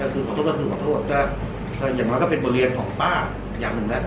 ขอโทษก็ถือขอโทษอย่างน้อยก็เป็นบริเวณของป้าอย่างนึงแหละ